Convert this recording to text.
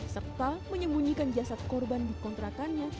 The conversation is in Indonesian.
serta menyembunyikan jasad korban dikontrakannya